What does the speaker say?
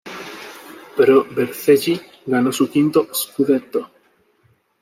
Pro Vercelli ganó su quinto "scudetto".